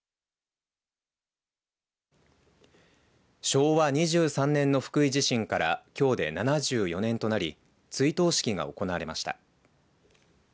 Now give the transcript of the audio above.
昭和２３年の福井地震からきょうで７４年となり追悼式が行われました。